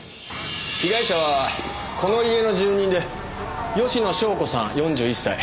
被害者はこの家の住人で吉野湘子さん４１歳。